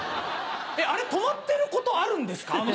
あれ止まってることあるんですか？